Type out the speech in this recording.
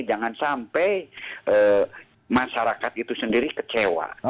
jangan sampai masyarakat itu sendiri kecewa